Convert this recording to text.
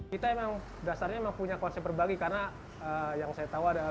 kita memang dasarnya punya konsep berbagi